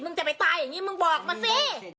จะไปตายอย่างนี้มึงบอกมาสิ